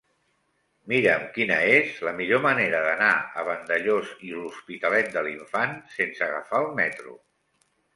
Mira'm quina és la millor manera d'anar a Vandellòs i l'Hospitalet de l'Infant sense agafar el metro.